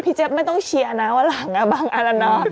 เจี๊ยบไม่ต้องเชียร์นะวันหลังบางอันแล้วเนาะ